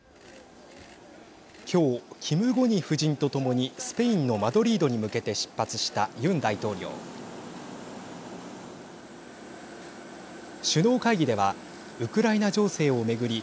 きょうキム・ゴニ夫人とともにスペインのマドリードに向けて出発したユン大統領。首脳会議ではウクライナ情勢を巡り